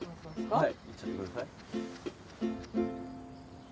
はい。